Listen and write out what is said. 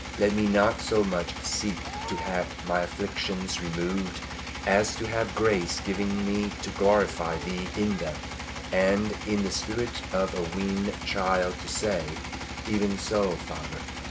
Let me not so much seek to have my afflictions removed as to have grace given me to glorify Thee in them, and in the spirit of a weaned child to say, "Even so, Father!"